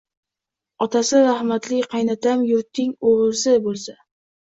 Otasi rahmatli qaynatam yurtning o‘g‘risi bo‘lsa